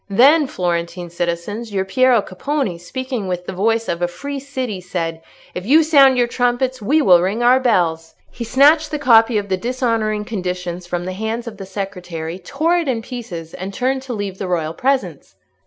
Then, Florentine citizens! your Piero Capponi, speaking with the voice of a free city, said, 'If you sound your trumpets, we will ring our bells!' He snatched the copy of the dishonouring conditions from the hands of the secretary, tore it in pieces, and turned to leave the royal presence."